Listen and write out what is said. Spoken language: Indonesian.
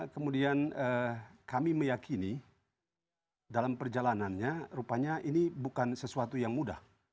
kemudian kami meyakini dalam perjalanannya rupanya ini bukan sesuatu yang mudah